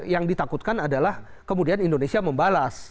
yang ditakutkan adalah kemudian indonesia membalas